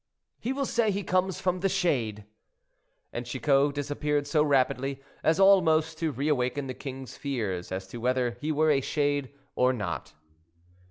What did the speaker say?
"He will say he comes from the shade." And Chicot disappeared so rapidly as almost to reawaken the king's fears as to whether he were a shade or not.